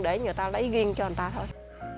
để người ta lấy riêng cho người ta thôi